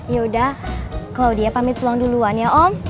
yaudah claudia pamit pulang duluan ya om